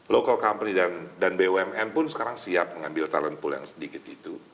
local company dan bumn pun sekarang siap mengambil talent pool yang sedikit itu